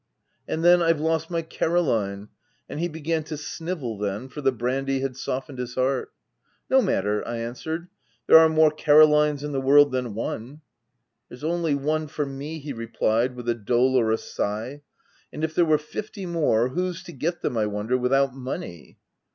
"' And then, I've lost my Caroline/ And he began to snivel then, for the brandy had softened his heart. " f No matter,' I answered, ' there are more Carolines in the world than one.* "' There's only one for me, 7 he replied, with a dolorous sigh. l And if there were fifty more, whose to get them, I wonder, without money